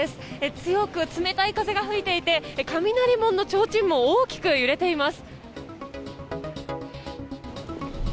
強く冷たい風が吹いていて雷門のちょうちんも大きく揺れています。